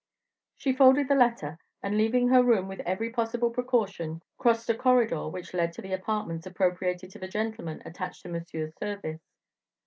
She folded the letter, and leaving her room with every possible precaution, crossed a corridor which led to the apartments appropriated to the gentlemen attached to Monsieur's service.